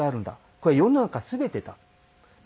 これは世の中全てだ。